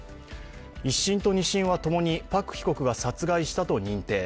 １審と２審はともにパク被告が殺害したと認定。